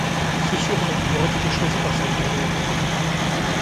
Ce surnom aurait été choisi par sa grand-mère.